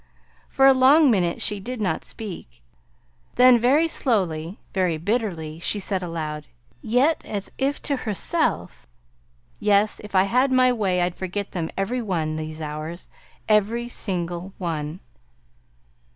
For a long minute she did not speak; then very slowly, very bitterly, she said aloud yet as if to herself: "Yes. If I had my way I'd forget them every one these hours; every single one!"